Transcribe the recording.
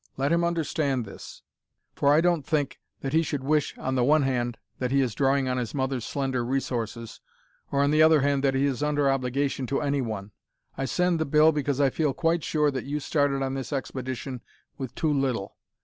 Let him understand this, for I don't wish that he should think, on the one hand, that he is drawing on his mother's slender resources, or, on the other hand, that he is under obligation to any one. I send the bill because I feel quite sure that you started on this expedition with too little.